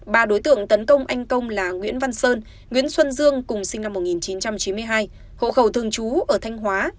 ba đối tượng tấn công anh công là nguyễn văn sơn nguyễn xuân dương cùng sinh năm một nghìn chín trăm chín mươi hai hộ khẩu thường trú ở thanh hóa